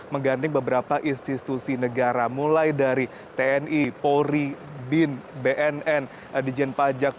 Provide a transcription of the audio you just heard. mengganding beberapa institusi negara mulai dari tni polri bin bnn dijen pajak